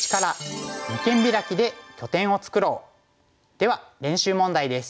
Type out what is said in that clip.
では練習問題です。